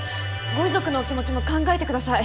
ご遺族のお気持ちも考えてください。